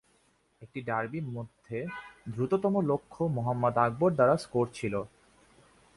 একটি ডার্বি মধ্যে দ্রুততম লক্ষ্য মোহাম্মদ আকবর দ্বারা স্কোর ছিল।